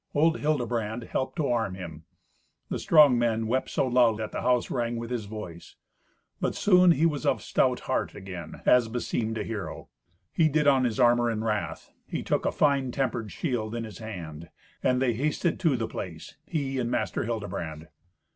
Old Hildebrand helped to arm him. The strong man wept so loud that the house rang with his voice. But soon he was of stout heart again, as beseemed a hero. He did on his armour in wrath. He took a fine tempered shield in his hand, and they hasted to the place—he and Master Hildebrand.